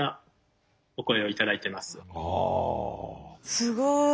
すごい。